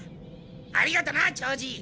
ありがとな長次！